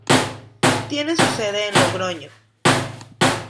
Tiene su sede en Logroño.